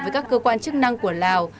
với các cơ quan chức năng của lào